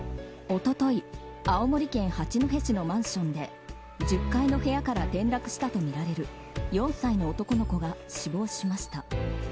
一昨日、青森県八戸市のマンションで１０階の部屋から転落したとみられる４歳の男の子が死亡しました。